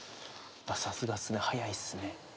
さすがっすね早いっすね。